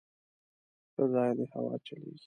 _ښه ځای دی، هوا چلېږي.